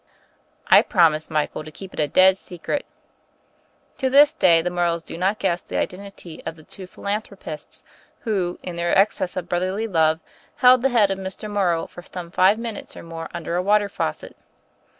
''I promise, Michael, to keep it a dead secret." To this day the Morrows do not guess the identity of the two philanthropists who, in their excess of brotherly love, held the head of Mr. Morrow for some five minutes or more under a water faucet.